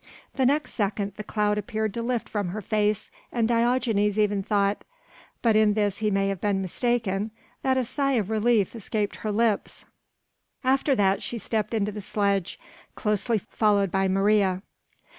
The next second the cloud appeared to lift from her face and Diogenes even thought but in this he may have been mistaken that a sigh of relief escaped her lips. After that she stepped into the sledge, closely followed by Maria.